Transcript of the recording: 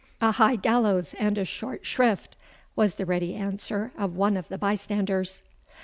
"A high gallows and a short shrift," was the ready answer of one of the bystanders.